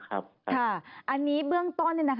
ค่ะอันนี้เบื้องต้นนี่